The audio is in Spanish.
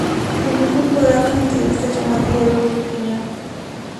Condujo un programa de entrevistas llamado "Diálogos con Opinión".